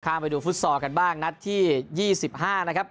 ไปดูฟุตซอลกันบ้างนัดที่๒๕นะครับ